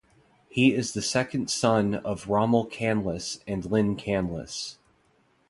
He is the second son of Rommel Canlas and Lyn Canlas.